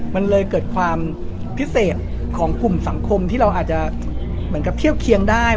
มันเลยเกิดความพิเศษของกลุ่มสังคมที่เราอาจจะเหมือนกับเทียบเคียงได้